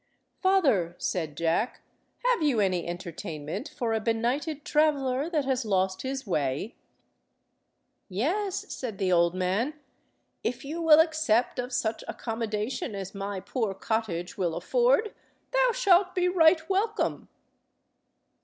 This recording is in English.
"Father," said Jack, "have you any entertainment for a benighted traveller that has lost his way?" "Yes," said the old man, "if you will accept of such accommodation as my poor cottage will afford, thou shalt be right welcome."